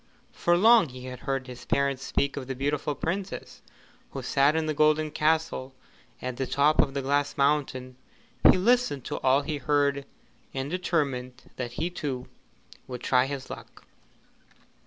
For long he had heard his parents speak of the beautiful Princess who sat in the golden castle at the top of the Glass Mountain. He listened to all he heard, and determined that he too would try his luck.